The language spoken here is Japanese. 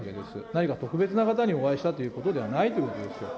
何か特別な方にお会いしたということではないということですよ。